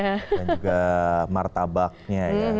dan juga martabaknya ya